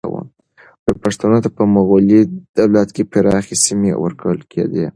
پښتنو ته په مغلي دولت کې پراخې سیمې ورکول کېدې.